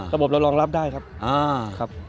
ระบบเรารองรับได้ครับ